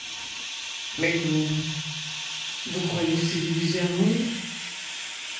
Melbourne. Vous croyez civiliser un monde